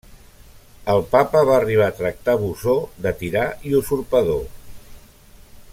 El papa va arribar a tractar Bosó de tirà i usurpador.